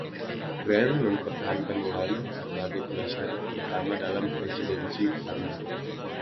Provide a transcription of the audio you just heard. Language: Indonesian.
Grant mempertahankan Lund sebagai penasihat pertama dalam Presidensi Utama.